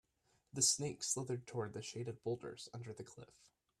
The snake slithered toward the shaded boulders under the cliff.